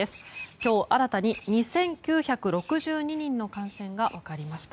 今日新たに２９６２人の感染が分かりました。